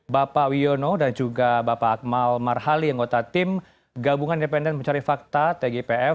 bapak wiono dan juga bapak akmal marhali anggota tim gabungan independen mencari fakta tgpf